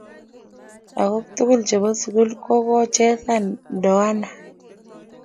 lakok tukul chepo sukul kokochesan ndoana